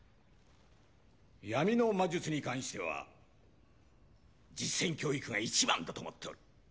闇の魔術に関しては実践教育が一番だと思っとる